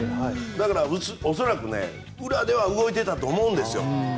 だから、恐らく裏では動いていたと思うんですよ。